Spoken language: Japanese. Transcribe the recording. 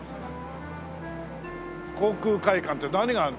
航空会館って何があるの？